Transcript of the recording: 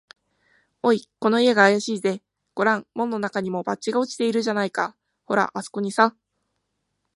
「おい、この家があやしいぜ。ごらん、門のなかにも、バッジが落ちているじゃないか。ほら、あすこにさ」